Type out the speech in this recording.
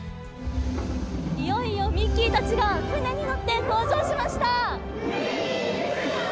いよいよミッキーたちが、船に乗って登場しました。